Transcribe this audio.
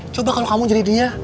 coba kalau kamu jadi dia